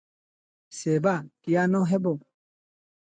ସେ ବା କିଆଁ ନ ହେବ?